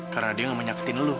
karena dia gak mau nyakitin lo